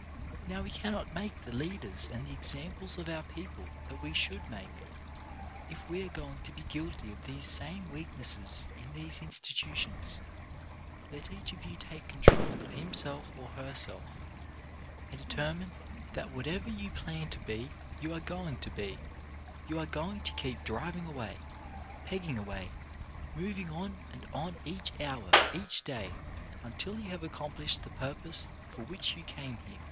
Now we cannot make the leaders and the examples of our people that we should make, if we are going to be guilty of these same weaknesses in these institutions. Let each of you take control of himself or herself, and determine that whatever you plan to be you are going to be; you are going to keep driving away, pegging away, moving on and on each hour, each day, until you have accomplished the pur pose for which you came here.